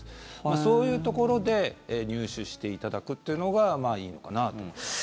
そういうところで入手していただくというのがいいのかなと思います。